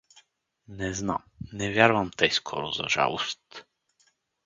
— Не знам… Не вярвам тъй скоро — за жалост.